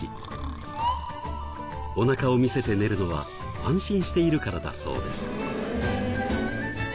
おなかを見せて寝るのは安心しているからだそうです。